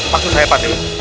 pak d pak d